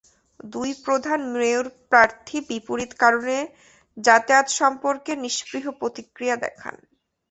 দুই প্রধান মেয়র প্রার্থী বিপরীত কারণে জামায়াত সম্পর্কে নিস্পৃহ প্রতিক্রিয়া দেখান।